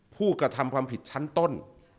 ผู้กระทำความผิดชั้นต้น